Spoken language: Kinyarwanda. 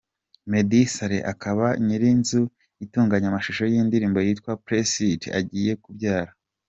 Meddy Saleh akaba nyiri inzu itunganya amashusho y'indirimbo yitwa Press it agiye kubyara.